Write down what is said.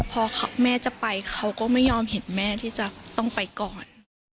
พอแม่จะไปเขาก็ไม่ยอมเห็นแม่ที่จะต้องไปก่อน